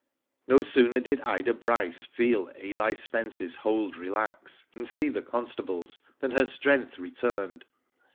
No sooner did Ida Bryce feel Eli Sp^nce's hold relax, and see the constables than her strength re turned.